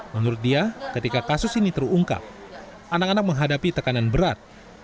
menurut dia ketika kasus ini terungkap anak anak menghadapi tekanan berat